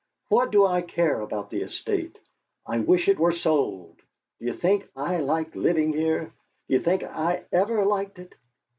What do I care about the estate? I wish it were sold! D'you think I like living here? D'you think I've ever liked it?